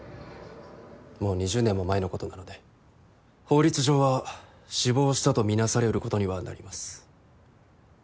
もう２０年も前のことなので法律上は死亡したと見なされることにはなります。